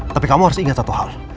tapi kamu harus ingat satu hal